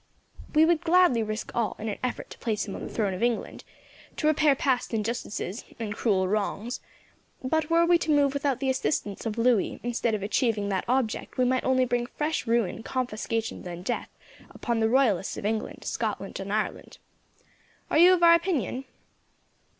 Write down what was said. We would gladly risk all, in an effort to place him on the throne of England, to repair past injustices and cruel wrongs; but, were we to move without the assistance of Louis, instead of achieving that object we might only bring fresh ruin, confiscations, and death upon the royalists of England, Scotland, and Ireland. Are you of our opinion?"